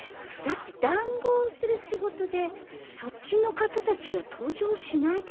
だって談合する仕事でそっちの方たちが登場しないとかありえなくないですか？